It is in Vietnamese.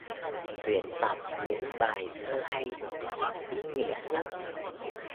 Tuyển tập những bài thơ hay, ý nghĩa nhất